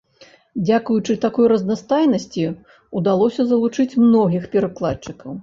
Дзякуючы такой разнастайнасці ўдалося залучыць многіх перакладчыкаў.